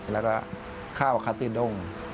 แล้วก็ข้าวคาซีด้ง